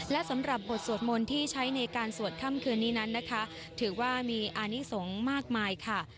และสำหรับบทสวดมนต์ที่ใช้ในการสวดค่ำคืนนี้นั้นนะคะถือว่ามีอานิสงฆ์มากมายค่ะ